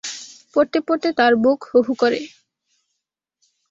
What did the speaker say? পড়তে-পড়তে তাঁর বুক হুহু করে।